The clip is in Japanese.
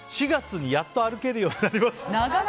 ４月にやっと歩けるようになります。